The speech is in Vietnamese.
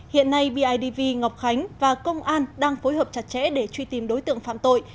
hiện nay bidv ngọc khánh và công an đang phối hợp chặt chẽ để truy tìm đối tượng phạm tội